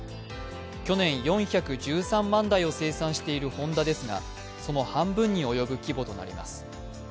去年４１３万台を生産しているホンダですがその半分に及ぶ規模となります。